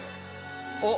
あっ！